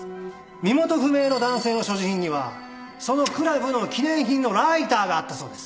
身元不明の男性の所持品にはそのクラブの記念品のライターがあったそうです。